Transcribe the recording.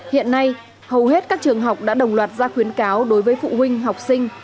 hiện nay hầu hết các trường học đã đồng loạt ra khuyến cáo đối với phụ huynh học sinh